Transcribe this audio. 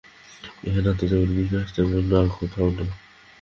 এখানে আত্মার যেমন বিকাশ, এমন আর কোথাও নয়।